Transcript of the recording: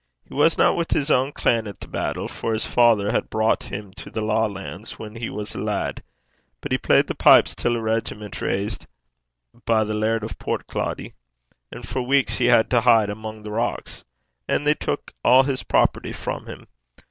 He wasna wi' his ain clan at the battle, for his father had broucht him to the Lawlands whan he was a lad; but he played the pipes till a reg'ment raised by the Laird o' Portcloddie. And for ooks (weeks) he had to hide amo' the rocks. And they tuik a' his property frae him.